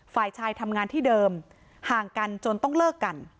ฝ่ายชายทำงานที่เดิมห่างกันจนต้องเลิกกัน